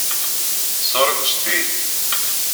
Сорок четыре.